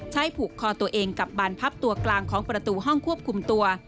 ผูกคอตัวเองกับบานพับตัวกลางของประตูห้องควบคุมตัว